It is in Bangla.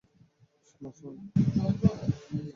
শোনো, শোনো।